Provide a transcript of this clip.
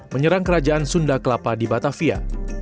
menyerang kerajaan sunda kelapa di batavia